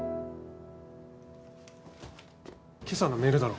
今朝のメールだろ。